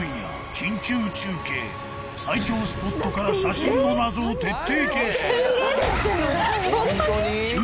最恐スポットから写真の謎を徹底検証